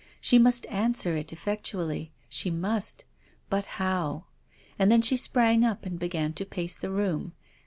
She must answer it effectually. She must. But how ? And then she sprang up and began to pace the room.